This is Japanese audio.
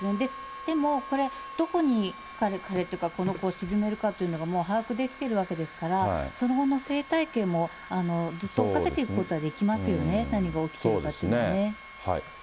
でも、これ、どこに、この沈めるかっていうのがもう把握できてるわけですから、そのまま生態系もずっと追っかけていくことはできますよね、何が起きてるかというそうですね。